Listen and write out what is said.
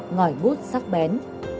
ngỏi bút sắc bén